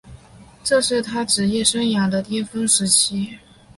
这是他职业生涯的巅峰时期。